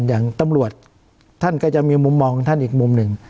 อย่างตำรวจท่านก็จะมีมุมมองของท่านอีกมุมหนึ่ง